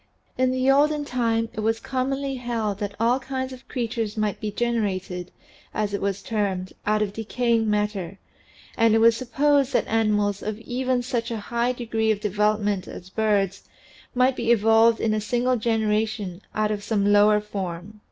In the olden time it was commonly held that all kinds of creatures might be " genera ted," as it was termed, out of decaying matter, and it was supposed that animals of even such a high degree of development as birds might be evolved in a single generation out of some lower form.